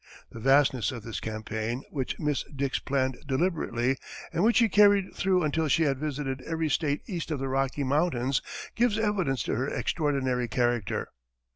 The vastness of this campaign which Miss Dix planned deliberately and which she carried through until she had visited every state east of the Rocky Mountains, gives evidence to her extraordinary character.